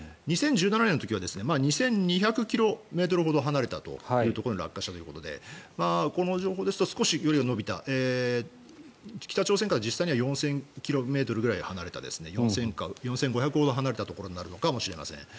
２０１７年の時は２２００ｋｍほど離れたというところに落下したということでこの情報ですと少し距離が延びた北朝鮮から実際には４０００ｋｍくらい離れた４０００ｋｍか４５００ｋｍほど離れたところになるのかもしれません。